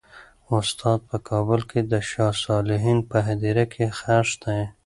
استاد په کابل کې د شهدا صالحین په هدیره کې خښ دی.